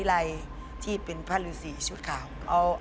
แล้วก็เอาน้ำใต้ฐานพระพุทธรูป